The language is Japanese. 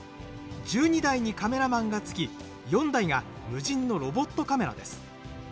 １２台にカメラマンがつき４台が無人のロボットカメラです。